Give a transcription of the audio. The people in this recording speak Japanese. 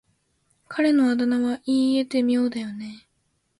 彼のあだ名は言い得て妙だよね。